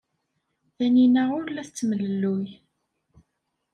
Tanina ur la tettemlelluy.